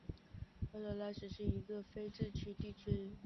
阿陀斯是位于美国亚利桑那州莫哈维县的一个非建制地区。